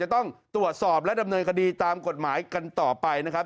ต้องตรวจสอบและดำเนินคดีตามกฎหมายกันต่อไปนะครับ